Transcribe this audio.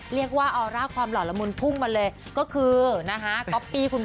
ออร่าความหล่อละมุนพุ่งมาเลยก็คือนะฮะก๊อปปี้คุณพ่อ